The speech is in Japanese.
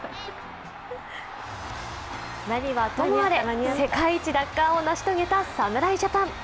何はともあれ、世界一奪還を成し遂げた侍ジャパン。